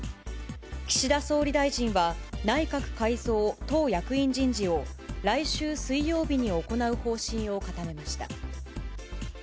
岸田総理大臣は、内閣改造・党役員人事を来週水曜日に行う方針を固めました。